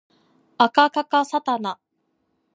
あかかかさたな